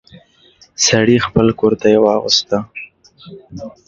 سړی خپل کورتۍ واغوست.